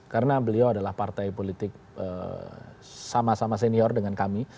karena beliau adalah partai politik sama sama senior dengan kami